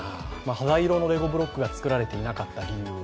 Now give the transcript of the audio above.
肌色のレゴブロックが作られていなかった理由。